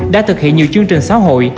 đã thực hiện nhiều chương trình xã hội